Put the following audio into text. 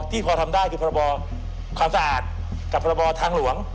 พอทำได้คือพรบความสะอาดกับพรบทางหลวง